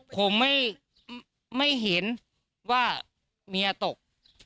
ผมไม่เห็นว่าเมียตก